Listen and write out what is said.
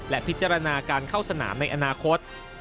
และพิจารณาการเข้าสนามในอนาคต